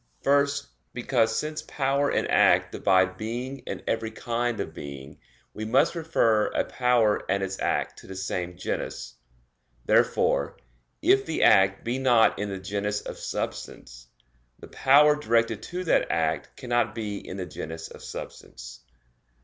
First, because, since power and act divide being and every kind of being, we must refer a power and its act to the same genus. Therefore, if the act be not in the genus of substance, the power directed to that act cannot be in the genus of substance.